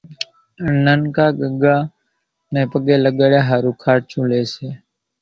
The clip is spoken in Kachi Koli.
ننڪا ڳڳا نين پڳين لڳڙيا ۿارُو خارچون لئي سي،